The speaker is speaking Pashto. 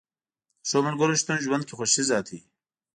د ښو ملګرو شتون ژوند کې خوښي زیاتوي